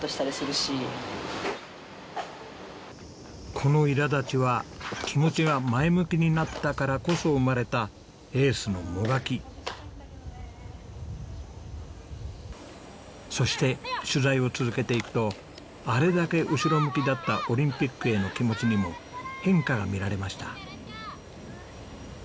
このいら立ちは気持ちが前向きになったからこそ生まれたそして取材を続けていくとあれだけ後ろ向きだったオリンピックへの気持ちにも変化が見られました。